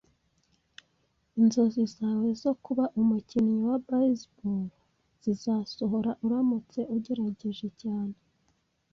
Inzozi zawe zo kuba umukinnyi wa baseball zizasohora uramutse ugerageje cyane.